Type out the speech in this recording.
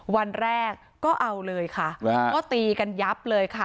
วันแรกก็เอาเลยค่ะก็ตีกันยับเลยค่ะ